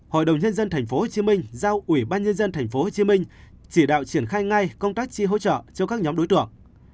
hội đồng nhân dân thành phố hồ chí minh giao ủy ban nhân dân thành phố hồ chí minh chỉ đạo triển khai ngay công tác chi hỗ trợ cho các nhóm đối tượng